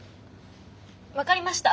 分かりました。